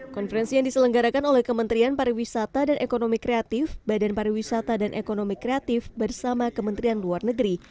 konferensi yang diselenggarakan oleh kementerian pariwisata dan ekonomi kreatif badan pariwisata dan ekonomi kreatif bersama kementerian luar negeri